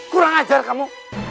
kurang ajar kamu